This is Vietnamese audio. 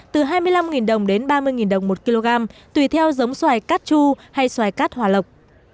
từ hai mươi năm đồng đến ba mươi đồng một kg tùy theo giống xoài cát chu hay xoài cát hòa lộc